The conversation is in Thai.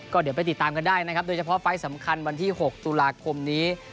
ก็เดี๋ยวไปติดตามกันได้นะครับโดยเฉพาะไฟล์สำคัญวันที่๖ตุลาคมนี้